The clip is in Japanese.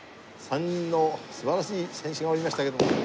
３人の素晴らしい選手がおりましたけれども。